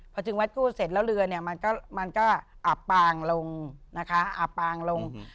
พอถึงวัดกู้เสร็จแล้วเรือมันก็อับปางลง